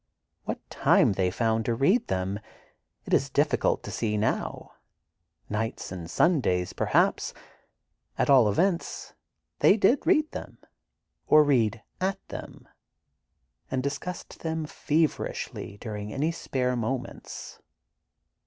What time they found to read them, it is difficult to see, now—nights and Sundays, perhaps. At all events, they did read them, or read at them, and discussed them feverishly during any spare moments.